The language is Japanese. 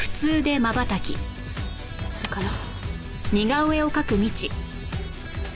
普通かな。